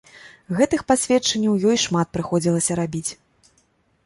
Гэтых пасведчанняў ёй шмат прыходзілася рабіць.